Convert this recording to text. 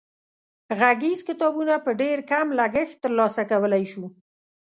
غږیز کتابونه په ډېر کم لګښت تر لاسه کولای شو.